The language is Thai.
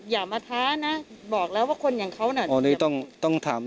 อย่ามาท้านะบอกแล้วว่าคนอย่างเค้าน่ะ